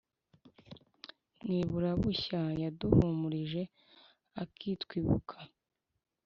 mwibura-bushya yaduhumurije akitwibuka